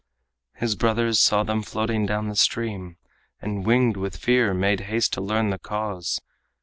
His brothers saw them floating down the stream, And winged with fear made haste to learn the cause.